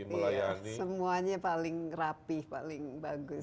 tapi semuanya paling rapih paling bagus